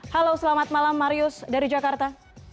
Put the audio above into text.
halo selamat malam marius dari jakarta